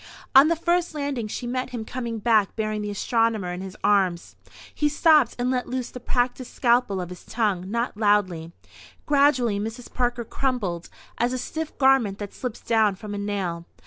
On the first landing she met him coming back bearing the astronomer in his arms. He stopped and let loose the practised scalpel of his tongue, not loudly. Gradually Mrs. Parker crumpled as a stiff garment that slips down from a nail.